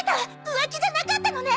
浮気じゃなかったのね！